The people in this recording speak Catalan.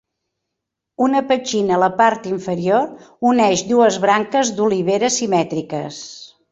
Una petxina a la part inferior uneix dues branques d"olivera simètriques.